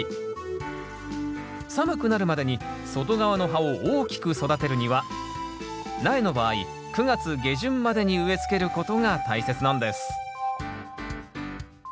寒くなるまでに外側の葉を大きく育てるには苗の場合９月下旬までに植え付けることが大切なんです